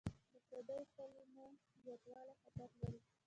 د پردیو کلمو زیاتوالی خطر لري.